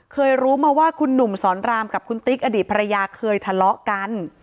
เคยรู้มาว่าคุณหนุ่มสอนรามกับคุณติ๊กอดีตภรรยาเคยทะเลาะกัน